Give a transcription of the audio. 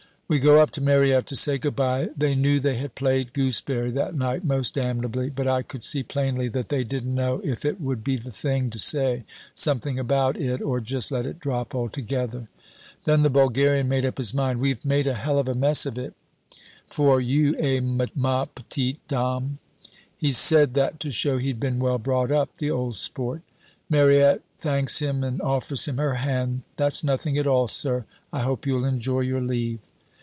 "We go up to Mariette to say good by. They knew they had played gooseberry that night most damnably, but I could see plainly that they didn't know if it would be the thing to say something about it or just let it drop altogether. "Then the Bulgarian made up his mind: 'We've made a hell of a mess of it for you, eh, ma p'tite dame?' "He said that to show he'd been well brought up, the old sport. "Mariette thanks him and offers him her hand 'That's nothing at all, sir. I hope you'll enjoy your leave.'